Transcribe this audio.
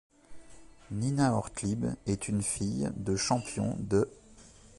Nina Ortlieb est une fille de champion de.